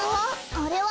あれは？